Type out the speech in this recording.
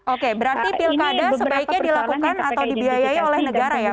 oke berarti pilkada sebaiknya dilakukan atau dibiayai oleh negara ya